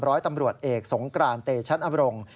ร้อยตำรวจเอกสงกรานเตชันอบรงค์